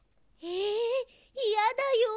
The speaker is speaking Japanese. えやだよ。